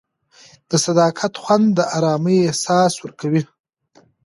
د صداقت خوند د ارامۍ احساس ورکوي.